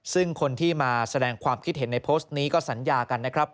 ซึ่งคนที่มาแสดงความคิดเห็นในโพสต์นี้ก็สัญญากันนะครับ